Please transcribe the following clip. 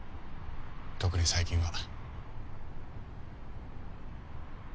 特に最近は。